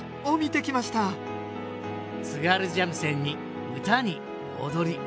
津軽三味線に唄に踊り。